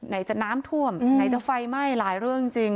ไหนจะน้ำท่วมไหนจะไฟไหม้หลายเรื่องจริง